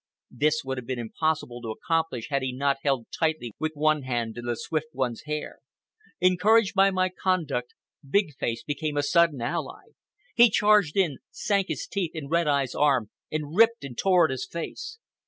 This would have been impossible to accomplish had he not held tightly with one hand to the Swift One's hair. Encouraged by my conduct, Big Face became a sudden ally. He charged in, sank his teeth in Red Eye's arm, and ripped and tore at his face.